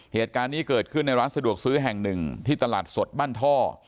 เหตุการณ์นี้เกิดขึ้นในร้านสะดวกซื้อแห่งหนึ่งที่ตลาดสดบ้านท่อ